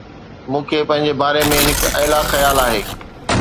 مون کي پنهنجي باري ۾ هڪ اعلي خيال آهي